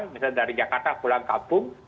misalnya dari jakarta pulang kampung